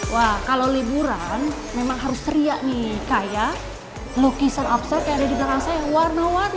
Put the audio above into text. wah kalau liburan memang harus teriak nih kayak lukisan offset yang ada di belakang saya warna warni